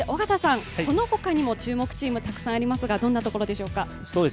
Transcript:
そのほかにも注目チームがたくさんありますが、どんなところでしょうか？